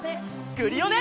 クリオネ！